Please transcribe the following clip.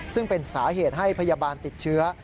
ซึ่งเป็นสาเหตุให้พยาบาลติดเชื้อ